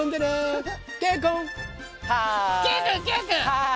はい！